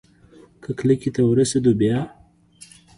که کلکې ته ورسېدو بيا؟